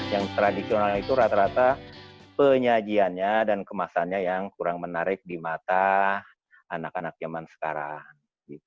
yang tradisional itu rata rata penyajiannya dan kemasannya yang kurang menarik di mata anak anak zaman sekarang